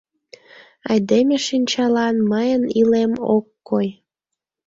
Айдеме шинчалан мыйын илем ок кой.